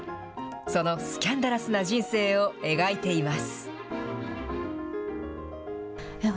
そのスキャンダラスな人生を描いています。